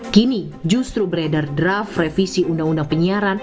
kini justru beredar draft revisi undang undang penyiaran